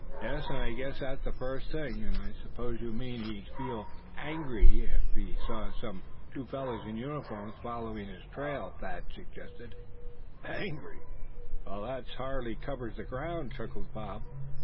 "Yes, I guessed that the first thing; and I suppose you mean he'd feel angry some if he saw two fellows in uniform following his trail?" Thad suggested. "Angry well, that hardly covers the ground," chuckled Bob.